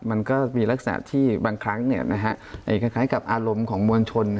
มันก็มีลักษณะที่บางครั้งคล้ายกับอารมณ์ของมวลชน